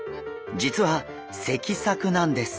実は脊索なんです。